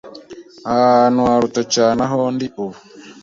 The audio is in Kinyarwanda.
ahantu haruta cyane aho ndi ubu